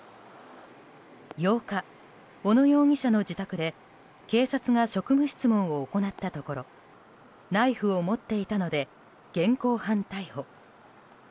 ８日、小野容疑者の自宅で警察が職務質問を行ったところナイフを持っていたので現行犯逮捕。